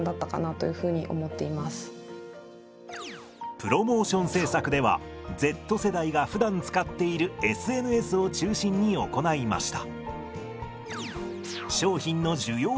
プロモーション政策ではＺ世代がふだん使っているＳＮＳを中心に行いました。